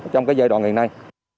trong giai đoạn ngày nay